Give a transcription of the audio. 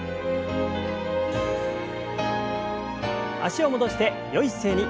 脚を戻してよい姿勢に。